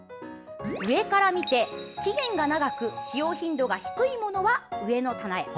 上から見て、期限が長く使用頻度が低いものは上の棚へ。